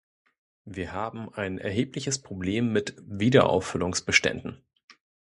Wir haben ein erhebliches Problem mit Wiederauffüllungsbeständen.